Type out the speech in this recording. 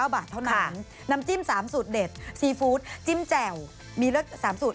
บาทเท่านั้นน้ำจิ้ม๓สูตรเด็ดซีฟู้ดจิ้มแจ่วมีละ๓สูตร